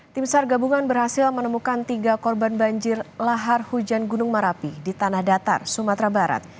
tim sar gabungan berhasil menemukan tiga korban banjir lahar hujan gunung merapi di tanah datar sumatera barat